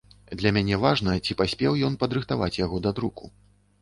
Для мяне важна, ці паспеў ён падрыхтаваць яго да друку.